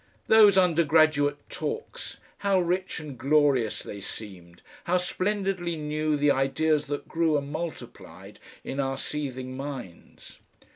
Those undergraduate talks! how rich and glorious they seemed, how splendidly new the ideas that grew and multiplied in our seething minds!